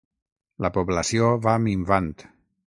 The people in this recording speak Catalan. La població va minvant.